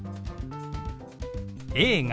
「映画」。